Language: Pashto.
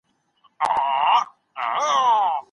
هغه خپل عزت وساتی او پر حق ولاړی.